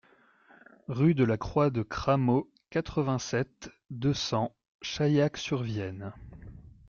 Rue de la Croix de Cramaux, quatre-vingt-sept, deux cents Chaillac-sur-Vienne